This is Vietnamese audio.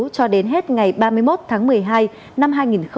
cho đến hết ngày ba mươi một tháng một mươi hai năm hai nghìn hai mươi